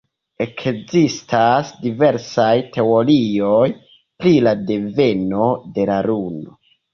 Ekzistas diversaj teorioj pri la deveno de la Luno.